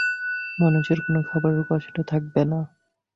মানুষের কোনো খাবারের কষ্ট থাকবে না।